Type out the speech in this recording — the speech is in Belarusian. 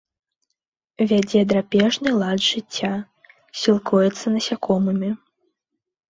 Вядзе драпежны лад жыцця, сілкуецца насякомымі.